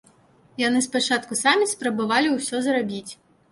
Яны спачатку самі спрабавалі ўсё зрабіць.